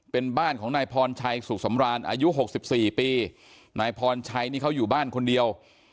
เป็นบ้านของนายพรชัยสุขสำราญอายุ๖๔ปีนายพรชัยนี่เขาอยู่บ้านคนเดียว